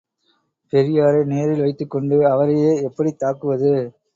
பெரியாரை நேரில் வைத்துக் கொண்டு அவரையே எப்படித் தாக்குவது?